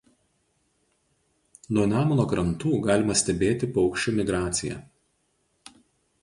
Nuo Nemuno krantų galima stebėti paukščių migraciją.